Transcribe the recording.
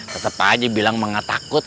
tetep aja bilang gak takut